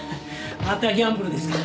またギャンブルですか？